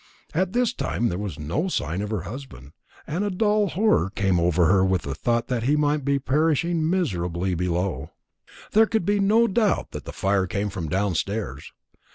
All this time there was no sign of her husband, and a dull horror came over her with the thought that he might be perishing miserably below. There could be no doubt that the fire came from downstairs.